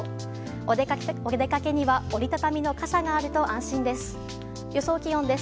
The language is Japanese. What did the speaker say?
お出かけには折り畳みの傘があると安心です。